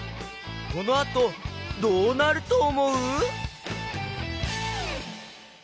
このあとどうなるとおもう？